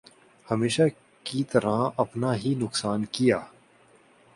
ہمیشہ کی طرح اپنا ہی نقصان کیا ۔